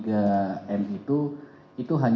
itu sudah termasuk notifikasi